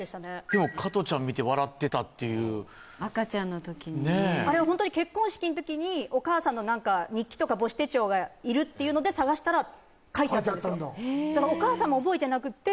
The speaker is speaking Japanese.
でも加トちゃん見て笑ってたっていう赤ちゃんの時にねあれホントに結婚式の時にお母さんの日記とか母子手帳がいるっていうので探したら書いてあったんですよ